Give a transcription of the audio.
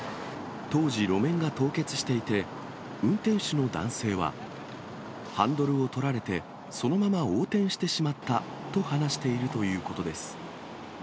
当時、路面が凍結していて、運転手の男性は、ハンドルを取られて、そのまま横転してしまったと話しているということです。